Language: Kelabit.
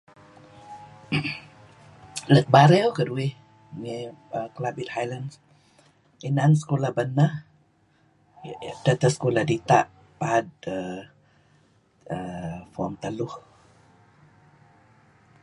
Lat Bario keduih ngi Klabit Highlands inan sekolah beneh inan edteh teh sekolah dita' paad uhm Form Teluh.